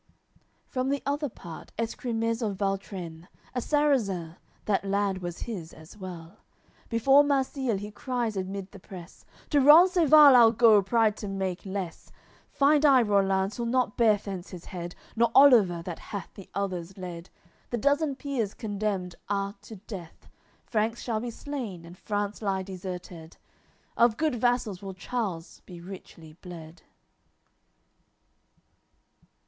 LXXV From the other part, Escremiz of Valtrenne, A Sarrazin, that land was his as well. Before Marsile he cries amid the press: "To Rencesvals I go, pride to make less; Find I Rollanz, he'll not bear thence his head, Nor Oliver that hath the others led, The dozen peers condemned are to death; Franks shall be slain, and France lie deserted. Of good vassals will Charles be richly bled."